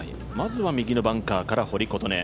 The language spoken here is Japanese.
まず右のバンカーから堀琴音。